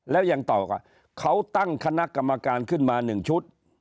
แล้วยังตอบว่าเขาตั้งคณะกรรมการขึ้นมา๑ชุด